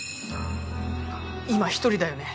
今一人だよね？